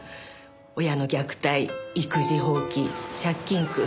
親の虐待育児放棄借金苦。